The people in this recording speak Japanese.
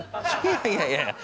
いやいやいやいや